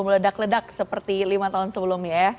meledak ledak seperti lima tahun sebelumnya ya